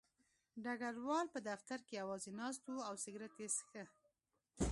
ډګروال په دفتر کې یوازې ناست و او سګرټ یې څښه